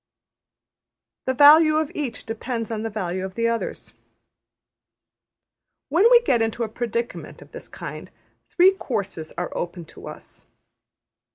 \end{tabular}\end{center} The value of each depends on the value of the others. When we get into a predicament of this kind, three courses are open to us.